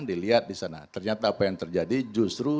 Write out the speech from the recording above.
dilihat disana ternyata apa yang terjadi justru